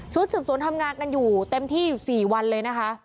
ชุดสุดสุดทำงานกันอยู่เต็มที่อยู่สี่วันเลยนะคะ